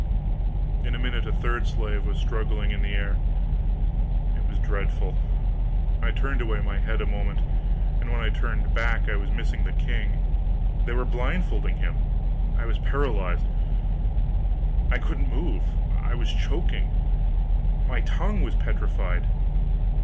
In a minute a third slave was struggling in the air. It was dreadful. I turned away my head a moment, and when I turned back I missed the king! They were blindfolding him! I was paralyzed; I couldn't move, I was choking, my tongue was petrified.